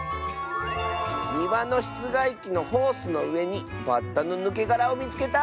「にわのしつがいきのホースのうえにバッタのぬけがらをみつけた！」。